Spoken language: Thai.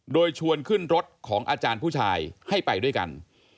โดยชวนขึ้นรถของอาจารย์ผู้ชายให้ไปด้วยกัน